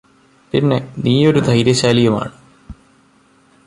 പിന്നെ നീയൊരു ധൈര്യശാലിയുമാണ്